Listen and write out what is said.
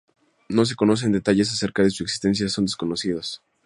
No se conocen detalles acerca de su existencia son desconocidos.